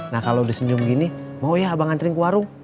nah kalo udah senyum gini mau ya abang anterin ke warung